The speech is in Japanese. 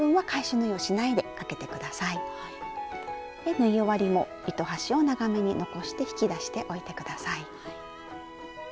縫い終わりも糸端を長めに残して引き出しておいて下さい。